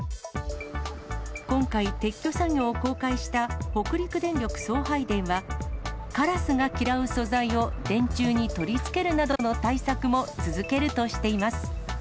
今回、撤去作業を公開した北陸電力送配電は、カラスが嫌う素材を電柱に取り付けるなどの対策も続けるとしています。